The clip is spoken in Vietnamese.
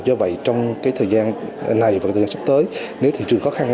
do vậy trong cái thời gian này và thời gian sắp tới nếu thị trường khó khăn